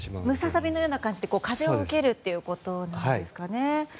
ムササビのような形で風を受けるということなんですかね。